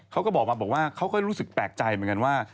เขาก็บอกมาบอกว่าเขาก็รู้สึกแปลกใจเหมือนกันว่า